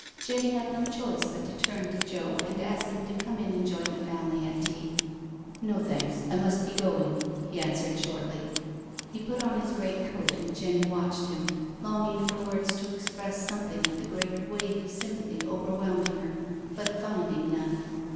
Jenny had no choice but to turn to Joe and ask him to come in and join the family at tea. "No, thanks— I must be going," he answered shortly. He put on his great coat and Jenny watched him, long ing for words to express something of the great wave of sympathy overwhelming her, but finding none.